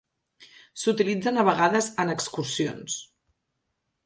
S'utilitzen a vegades en excursions.